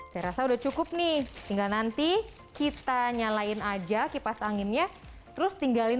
saya rasa udah cukup nih tinggal nanti kita nyalain aja kipas anginnya terus tinggalin